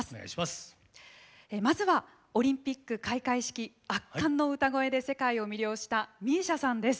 まずはオリンピック開会式圧巻の歌声で世界を魅了したＭＩＳＩＡさんです。